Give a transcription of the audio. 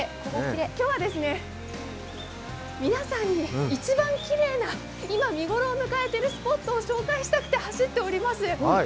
今日は皆さんに一番きれいな今、見頃を迎えている景色を見ていただきたくて走っております。